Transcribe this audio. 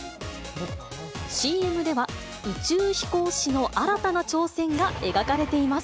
ＣＭでは、宇宙飛行士の新たな挑戦が描かれています。